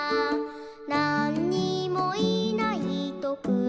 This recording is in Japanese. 「なんにもいないとくまのこは」